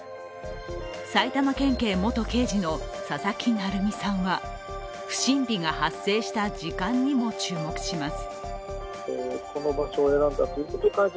埼玉県警元刑事の佐々木成三さんは不審火が発生した時間にも注目します。